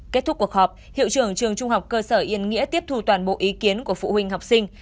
kết thúc cuộc họp hiệu trưởng trường trung học cơ sở yên nghĩa tiếp thu toàn bộ ý kiến của phụ huynh học sinh